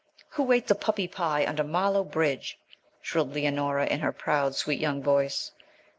_ 'WHO ATE THE PUPPY PIE UNDER MARLOWE BRIDGE?' shrilled Leonora in her proud sweet young voice.